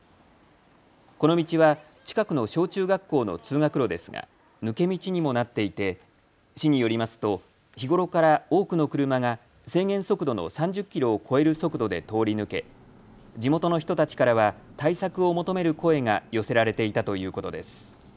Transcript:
この道は近くの小中学校の通学路ですが抜け道にもなっていて市によりますと日頃から多くの車が制限速度の３０キロを超える速度で通り抜け地元の人たちからは対策を求める声が寄せられていたということです。